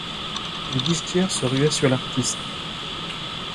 Une guichetière se ruait sur l'artiste.